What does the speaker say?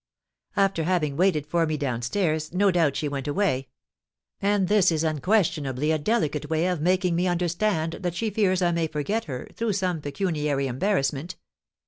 After having waited for me down stairs, no doubt she went away; and this is, unquestionably, a delicate way of making me understand that she fears I may forget her through some pecuniary embarrassment.